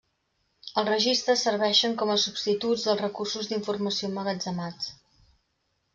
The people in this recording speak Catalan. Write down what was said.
Els registres serveixen com a substituts dels recursos d'informació emmagatzemats.